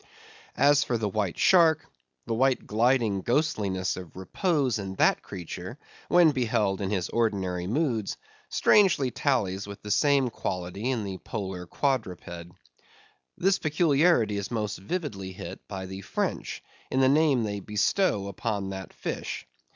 As for the white shark, the white gliding ghostliness of repose in that creature, when beheld in his ordinary moods, strangely tallies with the same quality in the Polar quadruped. This peculiarity is most vividly hit by the French in the name they bestow upon that fish.